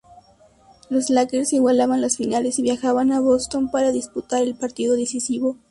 Los Lakers igualaban las Finales y viajaban a Boston para disputar el partido decisivo.